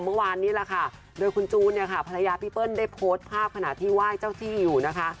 เมื่อวานนี้แหละค่ะโดยคุณจูนเนี่ยค่ะภรรยาพี่เปิ้ลได้โพสต์ภาพขณะที่ไหว้เจ้าที่อยู่นะคะ